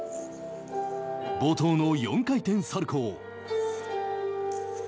冒頭の４回転サルコー。